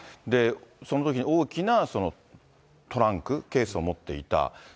そのときに大きなトランク、ケースを持っていた。